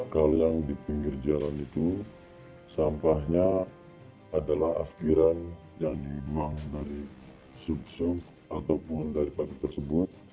kalau yang di pinggir jalan itu sampahnya adalah afkiran yang dibuang dari sub sub ataupun dari pabrik tersebut